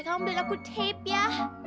kamu beli aku tape ya